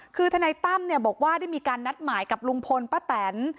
คือทนายตั้มบอกว่าได้มีการนัดหมายกับลุงพลป้าแตน